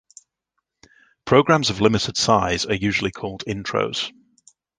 Programs of limited size are usually called intros.